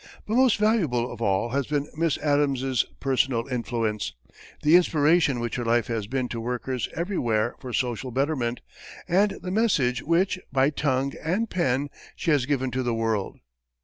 But most valuable of all has been Miss Addams's personal influence, the inspiration which her life has been to workers everywhere for social betterment, and the message which, by tongue and pen, she has given to the world.